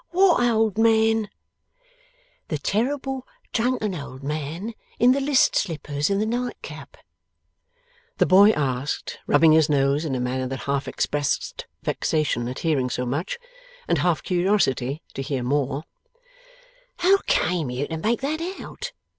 'What old man?' 'The terrible drunken old man, in the list slippers and the night cap.' The boy asked, rubbing his nose in a manner that half expressed vexation at hearing so much, and half curiosity to hear more: 'How came you to make that out?